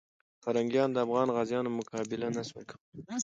پرنګیانو د افغان غازیانو مقابله نه سوه کولای.